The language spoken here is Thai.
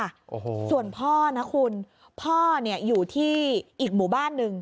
โอ้โหส่วนพ่อนะคุณพ่อเนี่ยอยู่ที่อีกหมู่บ้านหนึ่ง